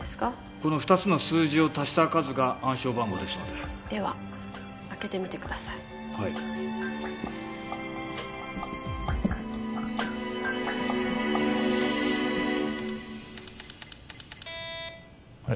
この２つの数字を足した数が暗証番号ですのででは開けてみてくださいはい・あれ？